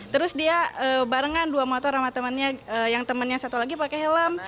terus dia barengan dua motor sama temannya yang temannya satu lagi pakai helm